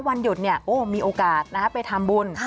วันหยุดมีโอกาสไปทำบุญ